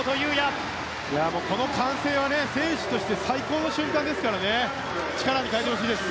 この歓声は選手として最高の瞬間ですから力になってほしいです。